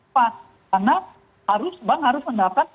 pak karena bank harus mendapat